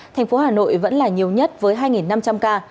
thành phố hà nội vẫn là nhiều nhất với hai năm trăm linh ca